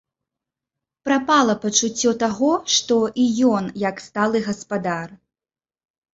Прапала пачуццё таго, што і ён як сталы гаспадар.